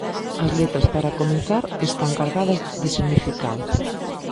As letras, para comezar, están cargadas de significado.